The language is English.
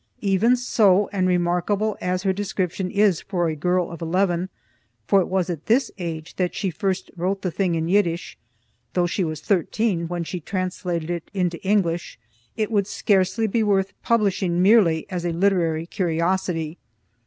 Even so, and remarkable as her description is for a girl of eleven for it was at this age that she first wrote the thing in Yiddish, though she was thirteen when she translated it into English it would scarcely be worth publishing merely as a literary curiosity.